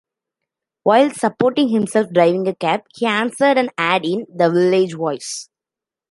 While supporting himself driving a cab, he answered an ad in "The Village Voice".